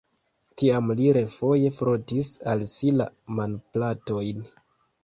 Tiam li refoje frotis al si la manplatojn.